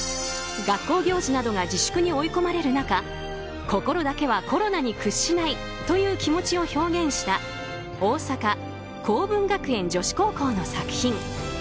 学校行事などが自粛に追い込まれる中心だけはコロナに屈しないという気持ちを表現した大阪・好文学園女子高校の作品。